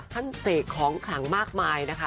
เสกของขลังมากมายนะคะ